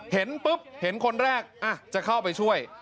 เห็นปุ๊บเห็นคนแรกจะเข้าไปช่วย